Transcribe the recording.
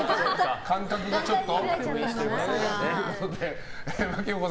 感覚がちょっと？